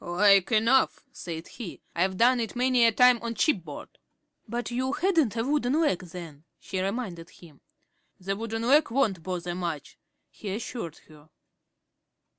"Like enough," said he. "I've done it many a time on shipboard." "But you hadn't a wooden leg then," she reminded him. "The wooden leg won't bother much," he assured her.